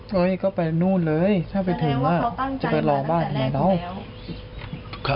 เฮ้ยก็ไปนู่นเลยถ้าไปถึงจะไปรอบ้านทำไมเนาะ